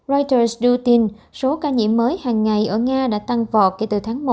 reuters đưa tin số ca nhiễm mới hàng ngày ở nga đã tăng vọt kể từ tháng một